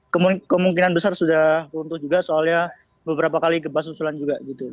kemungkinan besar sudah runtuh juga soalnya beberapa kali gebas usulan juga